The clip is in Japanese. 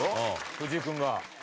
藤井君が。